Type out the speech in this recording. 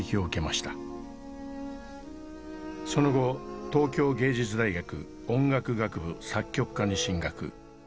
その後東京藝術大学音楽学部作曲科に進学。